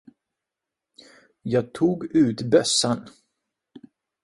Jag tog ut bössan.